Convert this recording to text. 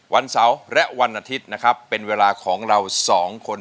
วันเสาร์และวันอาทิตย์นะครับเป็นเวลาของเราสองคน